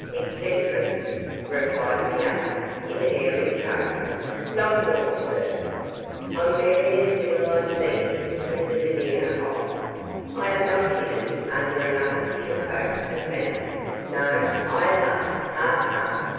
'Eccentric?' replied the other, in an airy tone, 'not at all, sir. I'm merely a civilized being with the veneer off. I am not hidden under an artificial coat of manner. No, I laugh ha! ha!